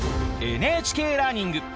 「ＮＨＫラーニング」